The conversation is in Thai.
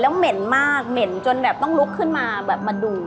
เหม็นมากเหม็นจนแบบต้องลุกขึ้นมาแบบมาดู